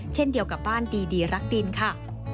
เช่นเดียวกับบ้านดีรักดินค่ะ